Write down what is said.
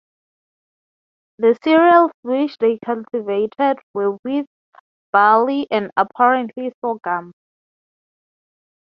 The cereals which they cultivated were wheat, barley, and apparently sorghum.